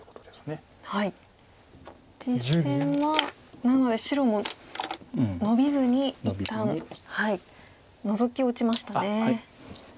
実戦はなので白もノビずに一旦ノゾキを打ちましたね。